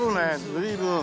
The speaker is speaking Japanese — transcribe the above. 随分。